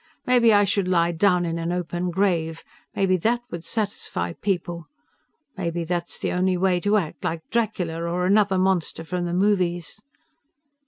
Maybe I should lie down in an open grave. Maybe that would satisfy people. Maybe that's the only way to act, like Dracula or another monster from the movies."